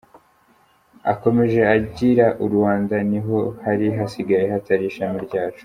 Akomeza agira “U Rwanda niho hari hasigaye hatari ishami ryacu.